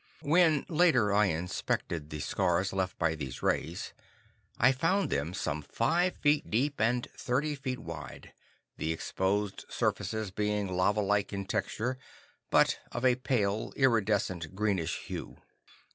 When later I inspected the scars left by these rays I found them some five feet deep and thirty feet wide, the exposed surfaces being lava like in texture, but of a pale, iridescent, greenish hue.